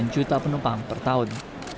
delapan juta penumpang per tahun